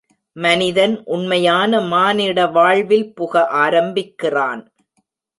மனிதன் உண்மையான மானிட வாழ்வில் புக ஆரம்பிக்கிறான்.